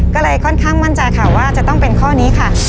ก็เลยค่อนข้างมั่นใจค่ะว่าจะต้องเป็นข้อนี้ค่ะ